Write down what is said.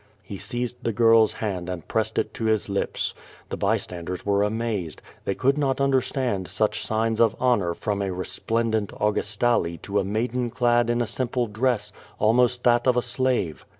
He seized the girl's hand and pressed it to his lips. The bystanders were amazed. They could not understand such signs of honor from a resplendent Augustale to a maiden clad in a simple dress, almost that of a slave.